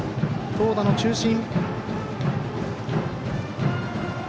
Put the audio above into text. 投打の中心。